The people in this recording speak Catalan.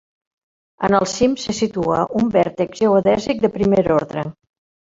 En el cim se situa un vèrtex geodèsic de primer ordre.